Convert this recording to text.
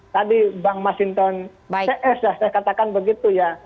tadi bang masinton cs saya katakan begitu ya